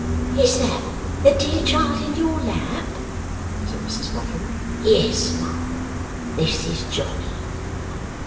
'Is that the dear child in your lap?' said Mrs Boffin. 'Yes, ma'am, this is Johnny.